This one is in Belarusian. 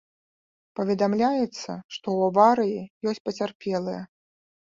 Паведамляецца, што ў аварыі ёсць пацярпелыя.